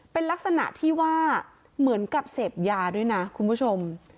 เป็นลักษณะที่ว่าเหมือนกับเสพยาด้วยนะคุณผู้ชม